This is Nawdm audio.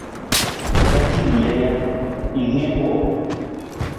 Ra ci lija ja, ng heen wang?